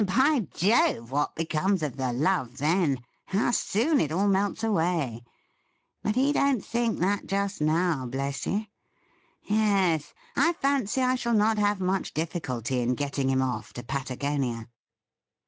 By Jove ! what becomes of the love then ? How soon it all melts away ! But he don't think that just now, bless you ! Yes ; I fancy I shall not have much diffi culty in getting him off to Patagonia.'